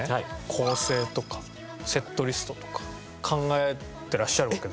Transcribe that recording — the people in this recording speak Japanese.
構成とかセットリストとか考えてらっしゃるわけですよ。